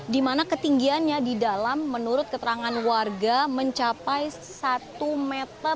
di mana ketinggiannya di dalam menurut keterangan warga mencapai satu delapan puluh m